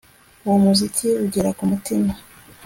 uwo muziki ugera kumutima